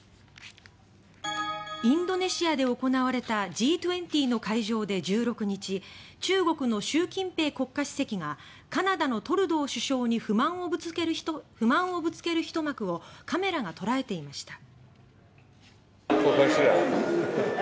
インドネシアで行われたＧ２０の会場で１６日中国の習近平国家主席がカナダのトルドー首相に不満をぶつけるひと幕をカメラが捉えていました。